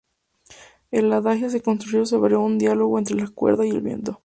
El Adagio se construyó sobre un diálogo entre la cuerda y el viento.